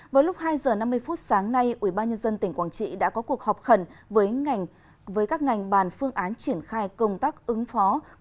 với lúc hai giờ năm mươi phút sáng nay ubnd tỉnh quảng trị đã có cuộc họp khẩn với các ngành bàn phương án triển khai công tác ứng phó